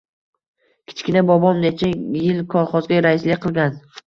Kichkina bobom necha yil kolxozga raislik qilgan